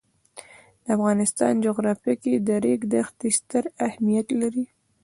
د افغانستان جغرافیه کې د ریګ دښتې ستر اهمیت لري.